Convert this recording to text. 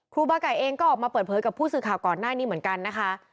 ครูบาไก่เองก็ออกมาเปิดเผยกับผู้สื่อข่าวก่อนหน้านี้เหมือนกันนะคะ